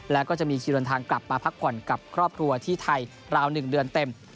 แล้วก็จะมีคิวเดินทางกลับมาพักผ่อนกับครอบครัวที่ไทยราว๑เดือนเต็ม